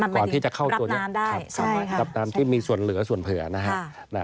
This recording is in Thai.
ก่อนที่จะเข้าตัวนี้ตามที่มีส่วนเหลือส่วนเผื่อนะฮะ